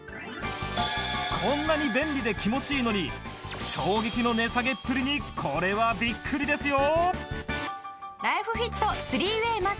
こんなに便利で気持ちいいのに衝撃の値下げっぷりにこれはびっくりですよ！